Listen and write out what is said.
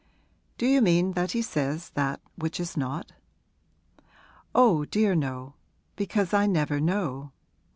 'Do you mean that he says that which is not?' 'Oh dear, no because I never know.